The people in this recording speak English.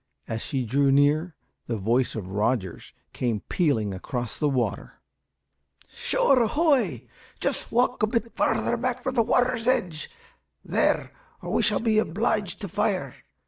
As she drew near, the voice of Rogers came pealing across the water "Shore ahoy! just walk a bit farther back from the water's edge, there, or we shall be obliged to fire.